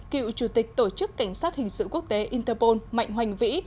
cựu chủ tịch tổ chức cảnh sát hình sự quốc tế interpol mạnh hoành vĩ